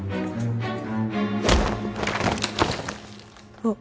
あっ。